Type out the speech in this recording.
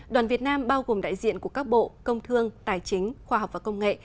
đoàn việt nam bao gồm đại diện của các bộ công thương tài chính khoa học và công nghệ